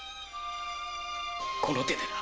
この手でな。